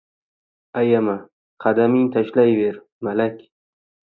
Ayama, qadaming tashlayver, malak…